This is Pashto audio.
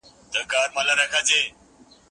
هغه وويل چي کښېناستل ضروري دي،